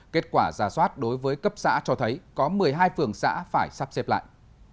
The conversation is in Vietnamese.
kết quả giả soát đối với cấp xã cho thấy có một mươi hai phường xã phải sắp xếp lại